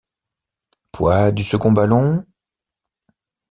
Poids du second ballon…